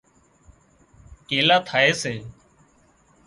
ڪيلا ٿائي سي